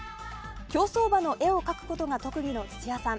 競走馬の絵を描くことが特技の土屋さん。